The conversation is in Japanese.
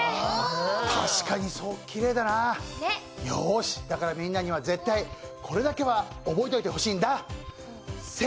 確かにきれいだね、よーし、だからみんなにはこれだけは覚えておいてほしいんだ。